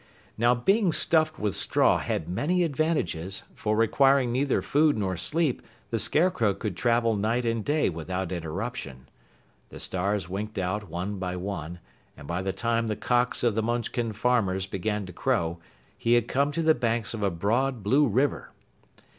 Now being stuffed with straw had many advantages, for requiring neither food nor sleep the Scarecrow could travel night and day without interruption. The stars winked out one by one, and by the time the cocks of the Munchkin farmers began to crow, he had come to the banks of a broad blue river!